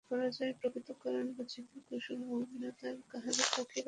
পরাজয়ের প্রকৃত কারণ বুঝিতে কুসুম এবং বিনোদার কাহারও বাকি রহিল না।